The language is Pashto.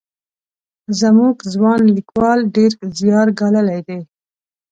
زموږ ځوان لیکوال ډېر زیار ګاللی دی.